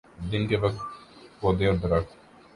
دن کے وقت پودے اور درخت